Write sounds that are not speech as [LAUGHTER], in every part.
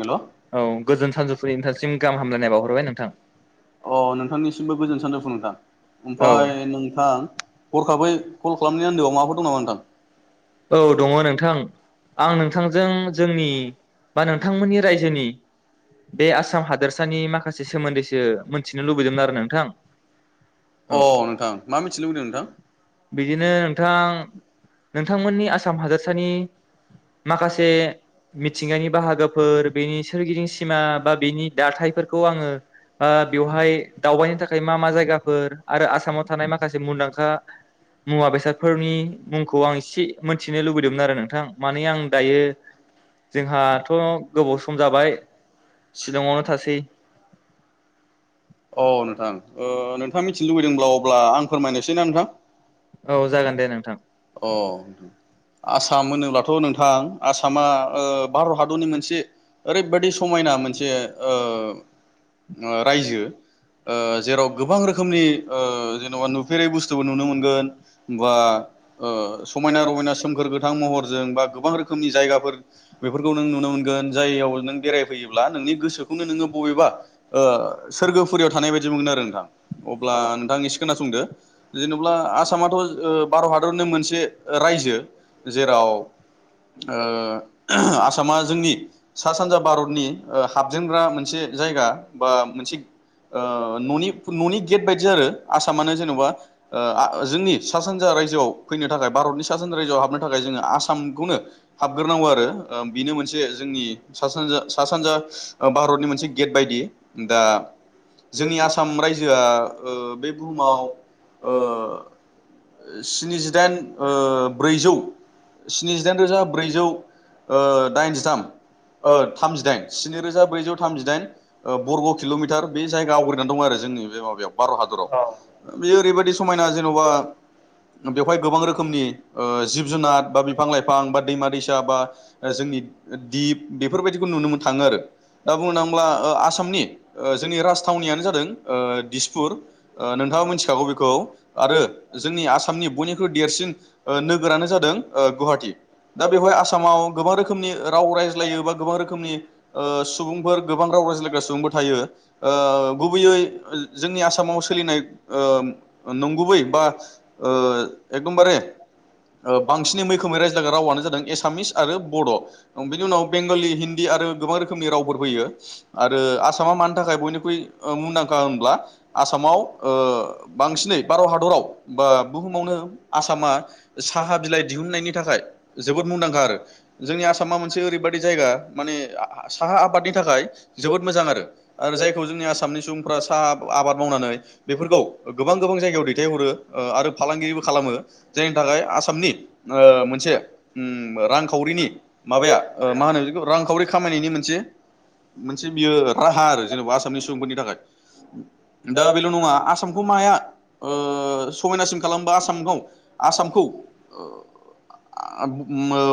हेल' अ औ गोजोन सानजौफुनि नोंथांसिम गाहाम हामलायनाय बावहरबाय नोंथां। अ नोंथांनिसिमबो गोजोन सानजौफु नोंथां। औ ओमफाय नोंथां हरखाबै कल खालामनायनि आन्दोआव माबाफोर दं नामा नोंथां? औ दङ नोंथां। आं नोंथांजों जोंनि नि बा नोंथांमोननि रायजोनि बे आसाम हादोरसानि माखासे सोमोन्दैसो मोनथिनो लुबैदोंमोन आरो नोंथां। अ औ नोंथां मा मिथिनो लुबैदों नोंथां? बिदिनो नोंथां। नोंथांमोननि आसाम हादोरसानि माखासे मिथिंगानि बाहागोफोर बेनि सोरगिदिं सिमा बा बेनि दाथायफोरखौ आङो ओ बेवहाय दावबायनो थाखाय मा मा जायगाफोर आरो आसामाव थानाय माखासे मुंदांखा। मुवा बेसादफोरनि मुंखौ एसे मिथिनो लुबैदोंमोन आरो नोंथां माने आं दायो जोंहाथ गोबाव सम जाबाय शिलंआवनो थासै अ नोंथां ओ‌ नोंथाङा मिथिनो लुबैदोंब्ला अब्ला आं फोरमायनोसैना नोंथां। औ अ जागोन दे नोंथां। दे नोंथां अ आसाम होनोब्लाथ नोंथां आसामा ओ भारत हादरनि मोनसे ओरैबादि समायना मोनसे ओ ओ रायजो। ओ जेराव गोबां रोखोमनि ओ जेनेबा नुफेरै बुस्थुबो नुनो मोनगोन बा ओ समायना-रमायना सोमखोर गोथां महरजों बा गोबां रोखोमनि जायगाफोर बेफोरखौ नों नुनो मोनगोन। जाययाव नों बेरायफैयोब्ला नोंनि गोसोखौनो नोङो बबेबा ओ सोरगोफु फुरियाव थानाय बायदि मोनो आरो नोंथां अब्ला नोंथां एसे खोनासंदो जेनोब्ला आसामाथ ओ भारत हादरनो मोनसे रायजो जेराव ओ आसामा जोंनि सा सानजा भारतनि ओ हाबजेनग्रा मोनसे जायगा बा मोनसे ओ न'नि न'नि गेट बायदि आरो आसामानो जेन'बा ओ आ जोंनि सा सानजा रायजोआव फैनो थाखाय भारतनि सा सानजा रायजोआव हाबनो थाखाय जोङो आसामखौनो हाबग्रोनांगौ आरो बेनो मोनसे जोंनि दि सा सानजा सा सानजा ओ भारतनि मोनसे गेट बायदि दा जोंनि आसाम रायजोआ ओ बे बुहुमाव ओ स्निजिदाइन ब्रैजौ स्निजिदाइन रोजा ब्रैजौ दाइनजिथाम ओ थामजिदाइन स्निरोजा ब्रैजौ थामजिदाइन बरग' औ किल'मिटार जायगा आवग्रिनानै दं आरो जोंनि बे माबायाव भारत हादराव बेयो ओरैबायदि समायना जेन'बा बेवहाय गोबां रोखोमनि जिब जुनार बा बिफां लाइफां बा दैमा दैसा बा जोंनि दिप बेफोर बायदिखौ नुनो मो थाङो आरो दा बुंनो थाङोब्ला ओ आसामनि जा बिनि राजथावनियानो जादों दिसपुर नोंथाङा मिथिखागौ बेखौ आरो जोंनि आसामनि बयनिख्रुइ देरसिन ओ नोगोरानो जादों गुवाहाटि दा बेवहाय आसामाव गोबां रोखोमनि राव रायज्लायो बा गोबां रोखोमनि ओ सुबुंफोर गोबां राव रायज्लायग्रा सुबुंफोर थायो। ओ गुबैयै जोंनि आसामाव सोलिनाय ओ नंगुबै बा एकदमबारे बांसिनै मैखोमै रायज्लायग्रा रावानो जादों एसामिस आरो बर' औ बिनि उनाव बेंगलि हिन्दी आरो गोबां रोखोमनि रावफोर फैयो आरो आसामा मानो खाय बयनिख्रुइ मुंदांखा होनब्ला आसामाव ओ बांसिनै भारत हादराव बा बुहुमावनो आसामा साहा बिलाइ दिहुननायनि थाखाय जोबोद मुंदांखा आरो जोंनि आसामा मोनसे जायगा माने साहा आबादनि थाखाय जोबोद मोजां आरो आरो जायखौ जोंनि आसामनि सुबुंफ्रा साहा आ आबाद मावनानै बेफोरखौ गोबां गोबां जायगायाव दैथायहरो ओ आरो फालांगिरिबो खालामो जायनि थाखाय आसामनि ओ मोनसे उम रांखावरिनि ओ मा होनो बेखौ रांखावरि खामायनायनि मोनसे मोनसे बियो राहा आरो। जेनबा आसामनि सुबुंफोरनि थाखाय दा बेल' नङा आसामखौ माया ओ समायनासिन खालाबमा आसामखौ आसामखौ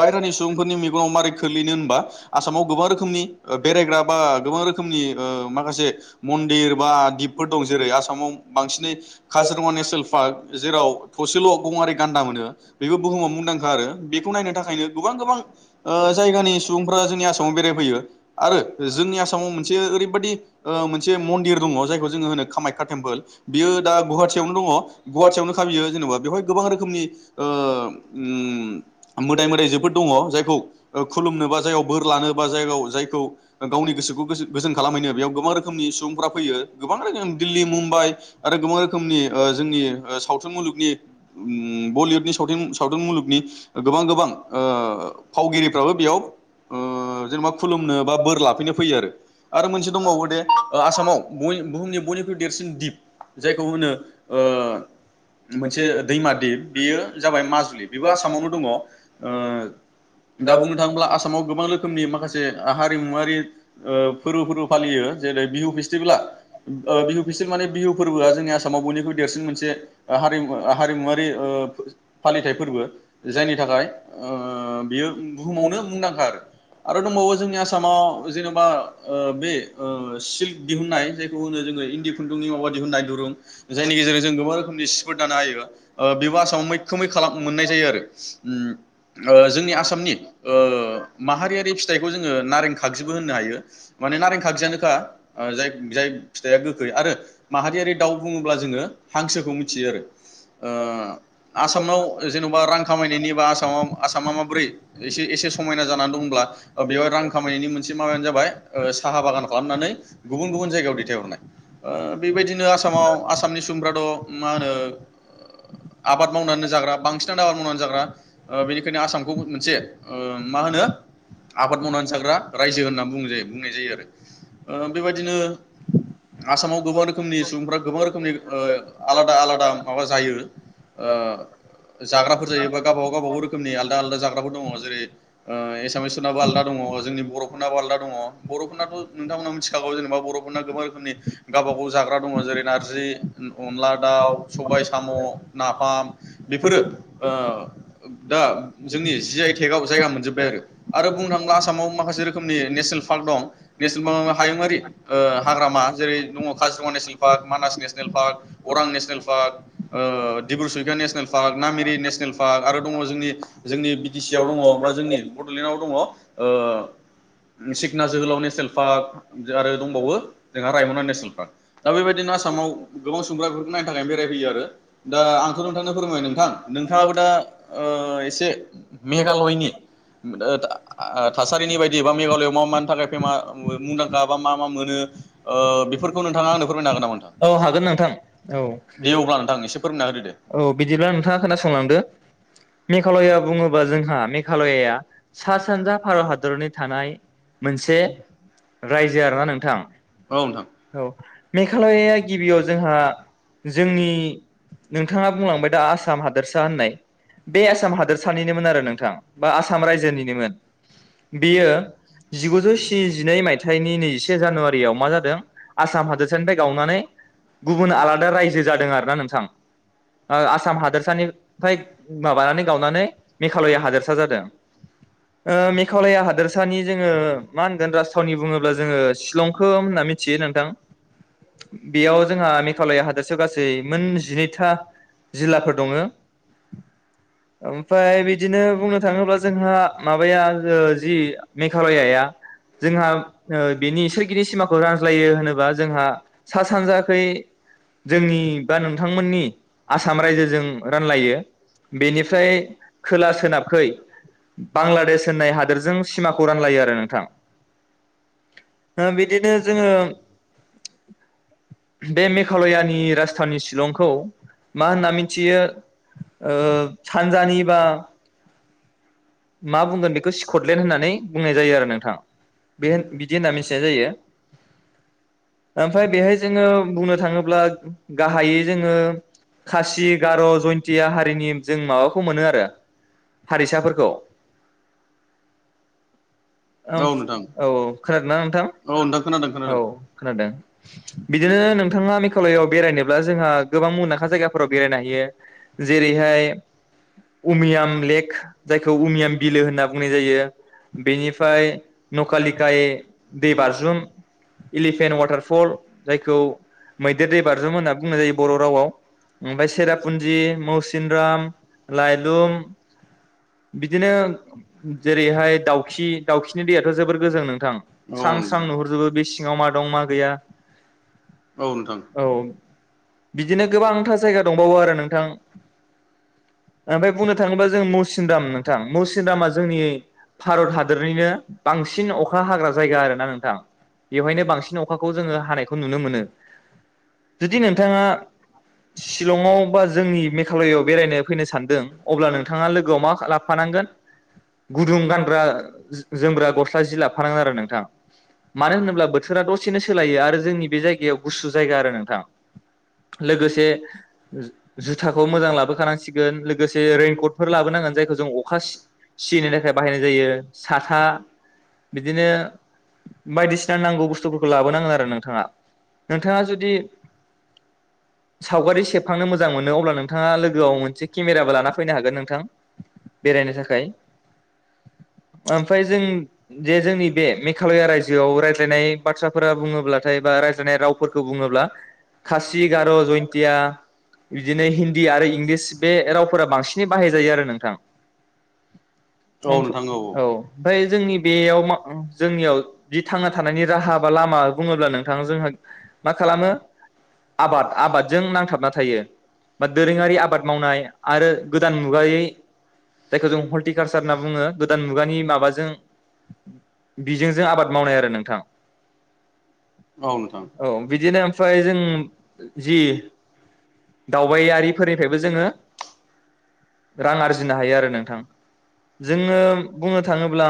बायरानि सुबुंफोरनि मेगं खोलिनो होनबा आसामाव गोबां रोखोनि ओ बेरायग्रा बा गोबां रोखोमनि ओ माखासे मन्दिर बा दिपफोर दं जेरै-आसामाव बांसिनै काजिरङा नेसनेल पार्क जेराव थसेल' गंआरि गान्दा मोनो बेबो बुहुमाव मुंदांखा आरो बेखौ नायनो थाखायनो गोबां गोबां ओ जायगानि सुबुंफ्रा जोंनि आसामाव बेरायफैयो आरो जोंनि आसामाव मोनसे ओरै बेबायदि ओ मोनसे मिनदिर दङ जायखौ जोङो होनो कामाख्या टेम्पोल बियो दा गुवाहाटियावनो दङ गुवाहाटियावनो खा बियो जेनेबा बेवहाय गोबां रोखोमनि ओ उम मोदाय मोदायजोफोर दङ जायखौ खुलुमनो बा जायाव बोर लानो बा जायगायाव जायखौ गावनि गोसोखौ गो गोजोन खालामहैनो बेयाव गोबां रोखोमनि सुबुंफ्रा फैयो गोबां रोखोमनि दिल्ली मुम्बाइ आरो गोबां रोखोमनि ओ जोंनि ओ सावथुन मुलुगनि बलिउडनि सावथुन सावथुन मुलुगनि गोबां गोबां फावगिरिफ्राबो बेयाव ओ जेनेबा खुलुमनो बा बोर लाफैनो फैयो आरो आरो मोनसे दंबावो दे आसामाव ओ बुहुमनि बयनिख्रुइ देरसिन दिप जायखौ होनो मोनसे दैमा दिप बेयो जाबाय माजुलि बेबो आसामावनो दङ ओ दा बुंनो थाङोब्ला आसामाव गोबां रोखोमनि माखासे ओ हारिमुवारि ओ फोरबो फोरबो फालियो जेरै बिहु फेस्टिभेला ओ बिहु फेस्टिभेल माने बिहु फोरबोआ जोंनि आसामाव बयनिख्रुइ देरसिन मोनसे हारिमु हारिमुवारि ओ फालिथाय फोरबो जायनि थाखाय ओ बियो बुहुमावनो मुंदांखा आरो दंबावो जोंनि आसामाव जेन'बा ओ बे ओ सिल्क दिहुनन्नाय जायखौ होनो जोङो इन्दि खुन्दुंनि माबा दिहुननाय दुरुं जायनि गेजेरजों जों गोबां रोखोमनि सिफोर दानो हायो ओ बेबो आसामाव मैखोमै खालाम मोननाय जायो आरो ओम ओ जों आसामनि ओ माहारियारि फिथाइखौ जोङो नारें खागजिबो होननो हायो। माने नारें खागजियानोखा जाय-जाय फिथाइया गोखै आरो माहारियारि दाउ बुङोब्ला जोङो हांसोखौ मिथियो आरो ओ आसामाव जेन'बा रां खामायनायनि बा आसामाव-आसामाव एसे एसे समायना जानानै दंब्ला बेवहाय रां खामायनायनि मोनसे माबायानो जाबाय ओ साहा बागान खालामनानै गुबुन गुबुन जायगायाव दैथायहरनाय बेबायदिनो आसामाव आसामनि सुबुंफ्राथ' मा होनो आबाद मावनानै जाग्रा बांसिनानो आबाद मावनानै जाग्रा ओ बेनिखायनो आसामखौ मोनसे ओ मा होनो आबाद मावनानै जाग्रा रायजो होननानै बुंङो जायो ओ बेबादिनो आसामाव गोबां रोखोमनि सुबुंफोरा गोबां रोखोमनि ओ आलादा आलादा माबा जायो ओ जाग्राफोर‌ जायो बे गावबा गाव रोखोमनि आलदा आलदा दङ जेरै ओ एसामिसफोरनाबो आलदा दङ जोंनि बर' फोरनाबो आलदा दङ। बर'फोरनाथ' नोंथांमोना मिथिखागौ जेनेबा बर'फोरना गोबां रोखोमनि गावबा गाव जाग्रा दङ जेरै नारजि अनला दाउ सबाय साम' नाफाम बेफोरो ओ दा जोंनि जि आइ टेकाव जायगा मोनजोब्बाय आरो बुंनो थाङोब्ला आसामाव माखासे रोखोमनि नेसनेल पार्क दं नेसनेल [UNINTELLIGIBLE] हायुंङारि हाग्रामा जेरै दङ Kaziranga national park, Manas national park, Orang national park, ओ Dibrusaikhowa national park, Nameri national park, आरो दङ जोंनि जोंनि बि टि सि आव दङ बा जोंनि बड'लेण्डआव दङ ओ मोनसे सिना जोहोलाव नेसनेल पार्क आरो दंबावो जोंहा रायमना नेसनेल पार्क दा बेबायदिनो आसामाव गोबां सुंग्रा बेफोरखौ नायनो थाखाय बेरायफैयो आरो दा आंथ' नोंथांनो फोरोंबाय नोंथां नोंथाङाबो दा ओ एस जे मेघालयनि थासारिनि आ बायदि बा मेघालयआव मा मा मुंदांखा बा मा मा मोनो ओ बेफोरखौ नोंथाङा आंनो फोरमायनो हागोन नामा नोंथां औ हागोन नोंथां औ दे अब्ला नोंथां एसे फोरमायना होदो दे। औ बिदिब्ला नोंथाङा खोनासंलांदो मेघालया बुङोबा जोंहा मेघालया सा सानजा भारत हादरनि थानाय मोनसे रायजो आरोना नोंथां। औ नोंथां औ, मेघालया गिबियाव जोंहा जोंनि नोंथाङा बुंलांबाय दा आसाम हादोरसा होननाय बे आस आसाम हादोरसानिनोमोन आरो नोंथां बा आसाम रायजोनिनोमोन बेयो जिगुजौ स्निजिनै मायथाइनि नैजिसे जानुवारियाव मा जादों आसाम हादोर सानिफ्राय गावनानै गुबुन आलादा रायजो जादों आरोना नोंथां ओ आसाम हादोरसानिफ्राय मानानै गावनानै मेघालया हादोरसा जादों ओ मेघालया बेयाव जोंहा मेघालया हादोरसायाव गासै मोन जिनैथा जिल्लाफोर दङो। ओमफ्राय बिदिनो बुंनो थाङोब्ला जोंहा माबाया जि मेघालयाया जोंहा बिनि सोरगिदि सिमाखौ रानज्लायो होनोबा जोंहा सा सानजाखै जोंनि बा नोंथांमोननि आसाम रायजोजों रानलायो बेनि फ्राय खोला सोनाबखै बांलादेश होननाय हादोरजों सिमाखौ रानलायो आरो नोंथां ओ बिदिनो जोंङो बे मेघालयानि राजथानि सिलंखौ मा होनना मिथियो सानजानिबा मा बुंगोन बेखौ स्कटलेण्ड होननानै बुंनाय जायो आरो नोंथां बे बिदि होनना मिथिनाय जायो। ओमफ्राय बेहाय जोङो बुंनो थाङोब्ला गाहायै जोङो खासि गार' जयन्तया हारिनि जों माबाखौ मोनो आरो हारिसाफोरखौ ओम औ नोंथां औ औ खोनादोंना नोंथां औ नोंथां खोनादों औ खोनादों खोनादों बिदिनो नोंथाङा मेघालयआव बेरायनोब्ला जोंहा गोबां मुंदांखा जायगाफोराव बेरायनो हायो जेरैहाय उमियाम लेक जायखौ अमियाम बिलो होनना बुंनाय जायो बेनिफ्राय। नखालिकाय दै बारजुम इलिफेन्ट वाटारफल जायखौ मैदेर दै बारजुम होनना बुंनाय जायो बर' रावाव ओमफ्राय सेरापुन्जि मौसिनराम लायलुम बिदिनो जेरैहाय दाउखि नि दैयाथ जोबोर गोजों नोंथां स्रां स्रां नुहरजोबो बे सिङाव मा दं मा गैया औ नोंथां औ बिदिनो गोबांथा जायगा दंबावो आरो नोंथां ओमफ्राय बुंनो थाङोबा जों मौसिनराम नोंथां मौसिनरामा जोंनि भारत हादरनिनो बांसिन अखा हाग्रा जायगा आरो ना नोंथां बेवहायनो जोङो बांसिन अखाखौ जोङो हानायखौ नुनो मोनो। जुदि नोंथाङा शिलंआव बा जोंनि मेघालयआव बेरायनो फैनो सानदों अब्ला नोंथाङा लोगोआव मा लाबोफानांगोन गुदुं गानग्रा जोमग्रा गस्ला जि लाबोफानांगोन आरो नोंथां‌ मानो होनोब्ला बोथोरा दसेनो सोलायो आरो जोंनि बे जायगायाव गुसु जायगा आरो नोंथां। लोगोसे जुथाखौ मोजां लाबोखानांसि गोन लोगोसे रेनकटफोर लाबोनांगोन जायखौ जों अखा सियिनि थाखाय बाहायनाय जायो साथा बिदिनो बायदिसिना नांगौ बुस्थुफोरखौ लाबोनांगोन आरो नोंथाङा नोंथाङा जुदि सावगारि सेबखांनो मोजां मोनो अब्ला नोंथाङा लोगोआव मोनसे केमेराबो लाना फैनो हागोन नोंथां बेरायनो थाखाय। ओमफ्राय जों जे जोंनि बे मेघालया रायजोआव रायज्लायनाय बाथ्राफोरा बुंङोब्लाथाय बा रायज्लायनाय रावफोरखौ बुंङोब्ला खासि गार' जयन्तया बिदिनो हिन्दी आरो इंलिस बे रावफोरा बांसिनै बाहायजायो आरो नोंथां। ओम औ ओमफ्राय जोंनि बेयाव मा ओ जोंनियाव जि थांना थानायनि राहा बा लामा बुङोब्ला नोंथाङा जोंहा मा खालामो आबाद आबादजों नांथाबना थायो बा दोरोङारि आबाद मावनाय आरो गोदान मुगायै जायखौ जों हरतिकाल सारना बुङो गोदान मुगानि माबाजों बिजोंजों आबाद मावनाय आरो नोंथां। औ नोंथां औ बिदिनो ओमफ्राय जों जि दावबायारिफोरनिफ [UNINTELLIGIBLE] जोङो रां आरजिनो हायो आरो नोंथां जोङो बुंनो थाङोब्ला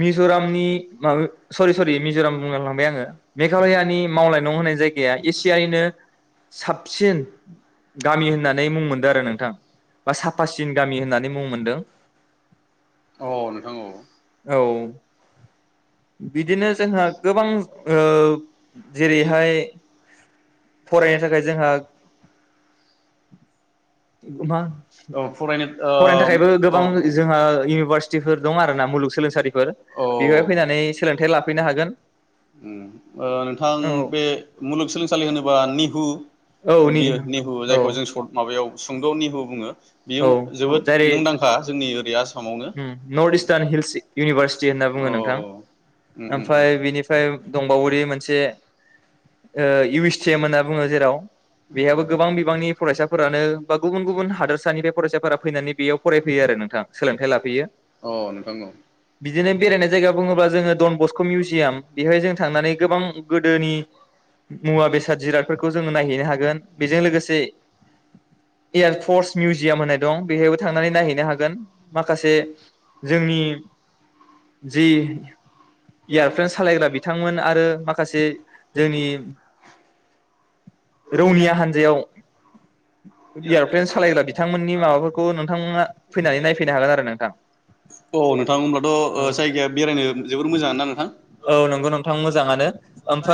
मिजरामनि माब सरि सरि मिजराम बुंलाफ्लांबाय आङो मेघालयानि मावलाय न' होनाय जायगाया एसियायैनो साबसिन। गामि होननानै मुं मोनदो आरो नोंथां। बा साफासिन गामि होननानै मुं मोनदों। औ नोंथां औ औ बिदिनो जोंहा गोबां ओ जेरैहाय फरायनो थाखाय जोंहा मा औ फरायनो फरायनो थाखायबो गोबां जोंहा इउनिभारसिटिफोर दं आरो ना मुलुगसोलोंसालिफोर औ बेवहाय फैनानै सोलोंथायाइ लाफैनो हागोन उम ओ नोंथां बे मुलुगसोलोंसालि होनोबा निहु औ औ नि। बियो निहु औ जायखौ जों सरर्थ माबायाव हुंद निहु बुङो। बेयो औ जोबोद मुंदांखा जोंनि ओरै आसाम उम नर्थ इस्टार्न हिल्स इउनिभारसिटि होनना बुङो औ नोंथां उम उम ओमफाय बिनिफ्राय दंबावोदि मोनसे ओ इउ एस टि एम होनना बुङो जेराव बेहाबो गोबां बिबांनि फरायसाफोरानो बा गुबुन गुबुन हादोरसानिबे फरायसाफोरा फैनानै बेयाव फरायफैयो आरो नोंथां सोलोंथाइ लाफ गैया अ नोंथां औ बिदिनो बेरायनाय जायगा बुंङोब्ला जोंङो डन बस्क मिउजियाम बेहाय जों थांनानै गोबां गोदोनि मुवा बेसाद जिरादफोरखौ जोङो नायहैनो हागोन बेजों लोगोसे एयारफर्स मिउजियाम होननाय दं बेहायबो थांनानै नायहैनो हागोन माखा खासे जोंनि जि एयारप्लेन सालायग्रा बिथांमोन आरो माखासे जोंनि रौनिया हान्जायाव इयारफ्लेन सालायग्रा बिथांमोननि माबाफोरखौ नोंथांमोना फैनानै नायफैनो हागोन आरो। नोंथां औ नोंथां होनोमब्लाथ ओ जायगाया बेरायनो जोबोर मोजां ना नोंथां? औ नंगौ नोंथां मोजाङानो ओमफ्राय